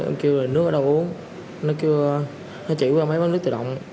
em kêu là nước ở đâu uống nó kêu nó chỉ với máy bán nước tự động